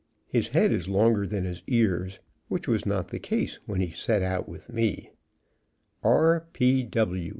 His head is longer than his ears, which was not the case when he set out with me. R.